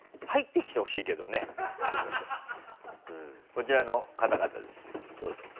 こちらの方々ですどうぞ。